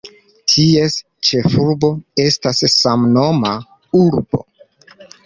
Ties ĉefurbo estas samnoma urbo.